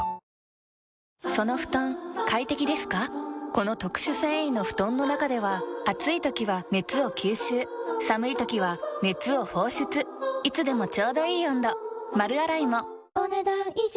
この特殊繊維の布団の中では暑い時は熱を吸収寒い時は熱を放出いつでもちょうどいい温度丸洗いもお、ねだん以上。